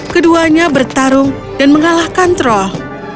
keduanya bertarung dan mengalahkan troll